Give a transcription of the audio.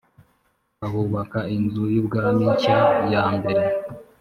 bahubaka inzu y’ubwami nshya ya mbere